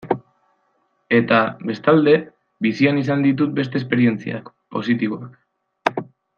Eta, bestalde, bizian izan ditut beste esperientziak, positiboak.